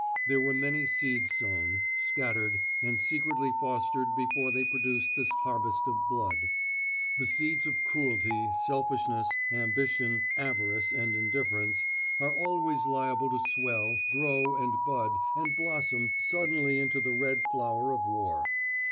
There were many seeds sown, scattered, and secretly fostered before they produced this harvest of blood. The seeds of cruelty, selfishness, ambition, avarice, and indifference, are always liable to swell, grow, and bud, and blossom suddenly into the red flower of war.